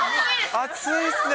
暑いっすね。